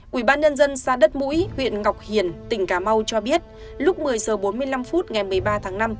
quỹ ban nhân dân xã đất mũi huyện ngọc hiền tỉnh cà mau cho biết lúc một mươi h bốn mươi năm phút ngày một mươi ba tháng năm